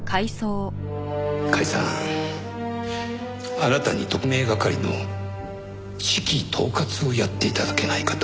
あなたに特命係の指揮統括をやって頂けないかと。